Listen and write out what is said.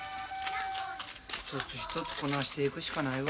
一つ一つこなしていくしかないわ。